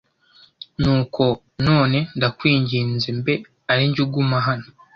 Nuko none ndakwinginze mbe ari jye uguma hano